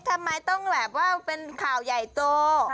ทำไมต้องแบบว่าเป็นข่าวใหญ่โต